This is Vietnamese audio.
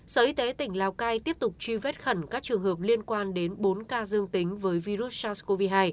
sở y tế tỉnh lào cai tiếp tục truy vết khẩn các trường hợp liên quan đến bốn ca dương tính với virus sars cov hai